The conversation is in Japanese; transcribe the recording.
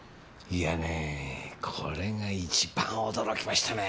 いやねこれが一番驚きましたね。